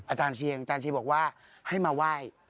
อาจารย์เชียงบอกว่าให้มาไหว้